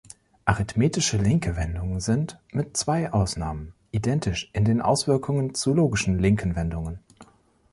Arithmetische linke Wendungen sind, mit zwei Ausnahmen, identisch in den Auswirkungen zu logischen linken Wendungen.